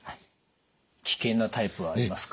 危険なタイプはありますか？